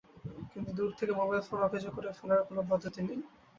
কিন্তু দূর থেকে মোবাইল ফোন অকেজো করে ফেলার কেনো পদ্ধতি নেই।